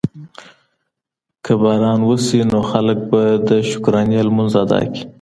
که باران وشي نو خلک به د شکرانې لمونځ ادا کړي.